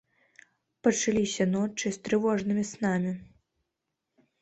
Пачаліся ночы з трывожнымі снамі.